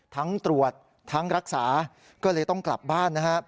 ทั้งตรวจทั้งรักษาก็เลยต้องกลับบ้านนะครับ